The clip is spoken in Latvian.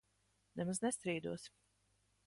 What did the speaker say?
Nemaz nestrīdos.